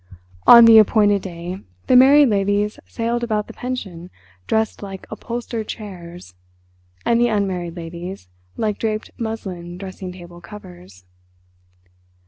On the appointed day the married ladies sailed about the pension dressed like upholstered chairs, and the unmarried ladies like draped muslin dressing table covers.